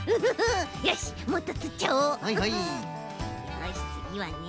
よしつぎはね。